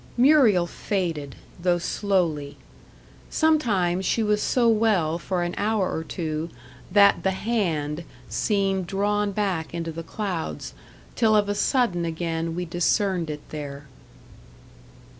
Muriel faded, though slowly. Sometimes she was so well for an hour or two that the Hand seemed drawn back into the clouds, till of a sudden again we discerned it there.